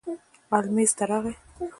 ال میز ته راغی.